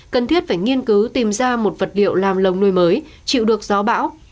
cần thiết phải nghiên cứu tìm ra một vật liệu làm lồng nuôi mới chịu được gió bão